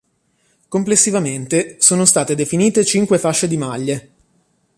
Complessivamente sono state definite cinque fasce di maglie.